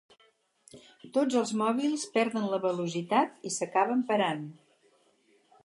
Tots els mòbils perden la velocitat i s'acaben parant.